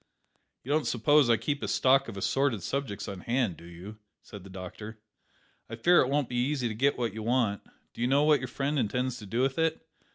"You don't suppose I keep a stock of assorted subjects on hand, do you?" said the doctor. "I fear it won't be easy to get what you want. Do you know what your friend intends to do with it?"